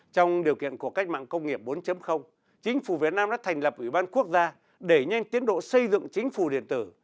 trong điều kiện của cách mạng công nghiệp bốn chính phủ việt nam đã thành lập ủy ban quốc gia để nhanh tiến độ xây dựng chính phủ điện tử